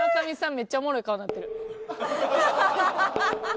めっちゃおもろい顔になってる。